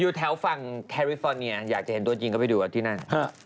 อยู่แถวฝั่งแคริฟอร์เนียอยากจะเห็นตัวจริงก็ไปดูกันที่นั่น